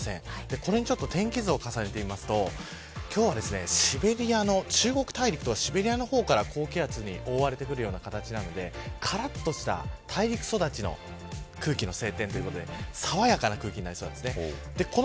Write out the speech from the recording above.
これに天気図を重ねると今日はシベリアの中国地方とシベリアの方から高気圧に覆われているのでからっとした大陸育ちの晴天ということで爽やかな晴天になりそうです。